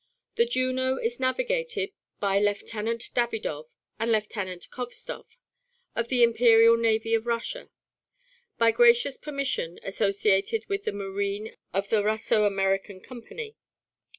The Juno is navigated by Lieutenant Davidov and Lieutenant Khovstov, of the Imperial Navy of Russia; by gracious permission associated with the Marine of the Russo American Company."